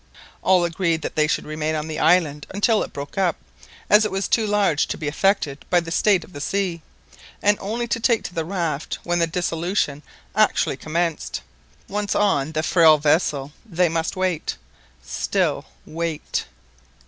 All agreed that they should remain on the island until it broke up, as it was too large to be affected by the state of the sea, and only take to the raft when the dissolution actually commenced. Once on the frail vessel, they must wait. Still wait!